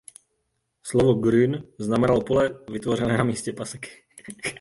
Slovo Grün znamenalo pole vytvořené na místě paseky.